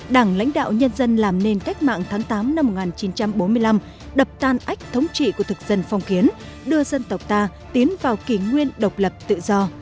đảng lãnh đạo nhân dân làm nên cách mạng tháng tám năm một nghìn chín trăm bốn mươi năm đập tan ách thống trị của thực dân phong kiến đưa dân tộc ta tiến vào kỷ nguyên độc lập tự do